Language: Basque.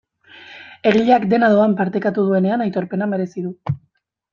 Egileak dena doan partekatu duenean aitorpena merezi du.